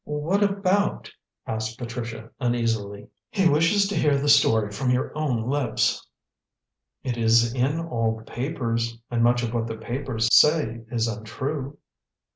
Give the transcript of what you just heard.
"What about?" asked Patricia uneasily. "He wishes to hear the story from your own lips." "It is in all the papers; and much of what the papers say is untrue."